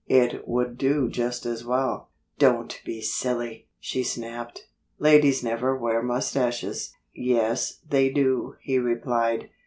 "It would do just as well." "Don't be silly!" she snapped. "Ladies never wear mustaches." "Yes, they do," he replied.